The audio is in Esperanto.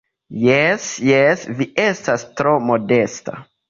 Jes, jes, vi estas tro modesta.